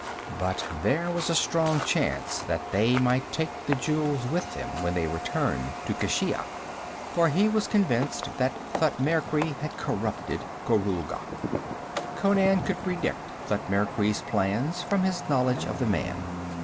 But there was a strong chance that they might take the jewels with them when they returned to Keshia. For he was convinced that Thutmekri had corrupted Gorulga. Conan could predict Thutmekri's plans from his knowledge of the man.